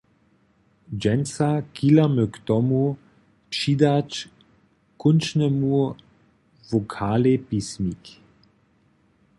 Dźensa chilamy k tomu, přidać kónčnemu wokalej pismik.